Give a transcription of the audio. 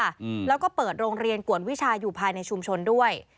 อืมแล้วก็เปิดโรงเรียนกวนวิชาอยู่ภายในชุมชนด้วย